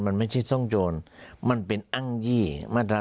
มันไม่ใช่ทรงโจญมันเป็นอั้งยี่มาตรา๒๐๙